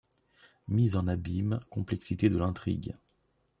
Mise en abyme, complexité de l'intrigue.